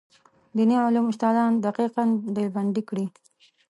دیني علومو استادان دقیقه ډلبندي کړي.